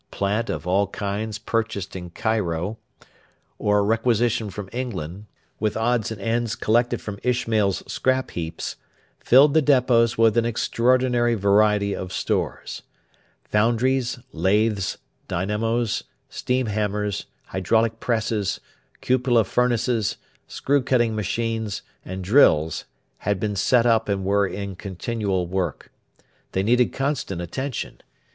Plant of all kinds purchased in Cairo or requisitioned from England, with odds and ends collected from Ishmail's scrap heaps, filled the depots with an extraordinary variety of stores. Foundries, lathes, dynamos, steam hammers, hydraulic presses, cupola furnaces, screw cutting machines, and drills had been set up and were in continual work. They needed constant attention.